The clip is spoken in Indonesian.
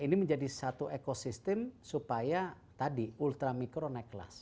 ini menjadi satu ekosistem supaya tadi ultramikro naik kelas